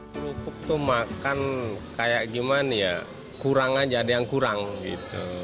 kerupuk tuh makan kayak gimana ya kurang aja ada yang kurang gitu